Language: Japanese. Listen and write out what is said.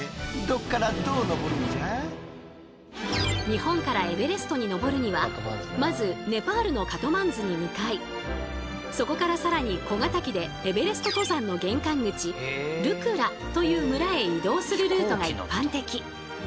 日本からエベレストに登るにはまずネパールのカトマンズに向かいそこから更に小型機でエベレスト登山の玄関口ルクラという村へ移動するルートが一般的。